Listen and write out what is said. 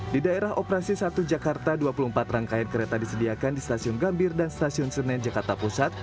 di daerah operasi satu jakarta dua puluh empat rangkaian kereta disediakan di stasiun gambir dan stasiun senen jakarta pusat